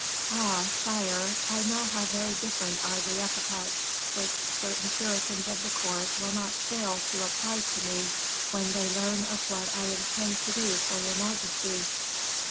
Ah! sire, I know how very different are the epithets which certain Puritans of the court will not fail to apply to me when they learn of what I intend to do for your majesty."